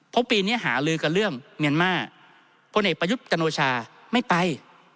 เพราะปีนี้หาลือกับเรื่องเมียนมาร์พลเอกประยุทธ์จันโอชาไม่ไป